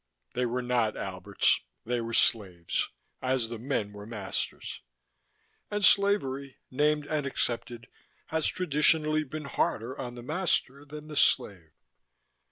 They were not Alberts: they were slaves, as the men were masters. And slavery, named and accepted, has traditionally been harder on the master than the slave.